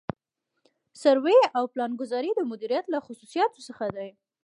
سروې او پلانګذاري د مدیریت له خصوصیاتو څخه دي.